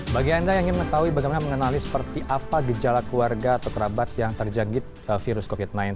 bagaimana menganalisis gejala keluarga atau kerabat yang terjangkit virus covid sembilan belas